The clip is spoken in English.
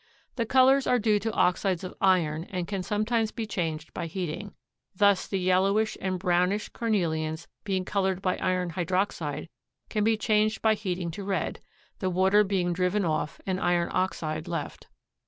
The colors are due to oxides of iron and can sometimes be changed by heating. Thus the yellowish and brownish carnelians being colored by iron hydroxide can be changed by heating to red, the water being driven off and iron oxide left.